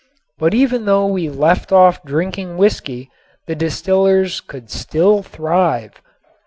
But even though we left off drinking whiskey the distillers could still thrive.